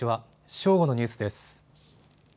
正午のニュースです。